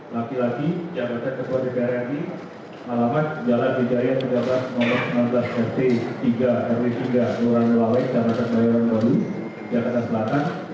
lagi lagi jabatan keputusan ria ria tore alamat jalan wijaya tiga belas sembilan belas rt tiga ria tiga pulau raha pulau wai jamanan bayaran bali jamanan batas